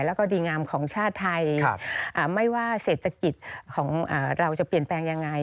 แล้วก็ดีงามของชาติไทยไม่ว่าเศรษฐกิจของเราจะเปลี่ยนแปลงยังไง